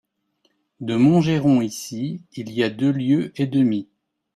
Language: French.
De Montgeron ici il y a deux lieues et demie.